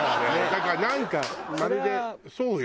だからなんかまるでそうよ。